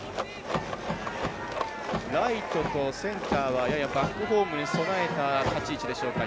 ライトとセンターはややバックホームに備えた立ち位置でしょうか。